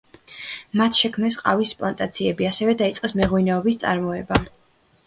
მათ შექმნეს ყავის პლანტაციები; ასევე დაიწყეს მეღვინეობის წარმოება.